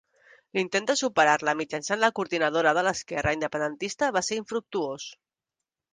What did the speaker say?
L'intent de superar-la mitjançant la Coordinadora de l'Esquerra Independentista va ser infructuós.